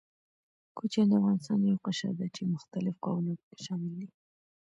کوچيان د افغانستان يو قشر ده، چې مختلف قومونه پکښې شامل دي.